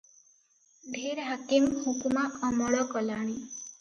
ଢେର ହାକିମ ହୁକୁମା ଅମଳ କଲାଣି ।